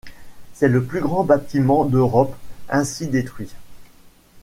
C'est le plus grand bâtiment d'Europe ainsi détruit.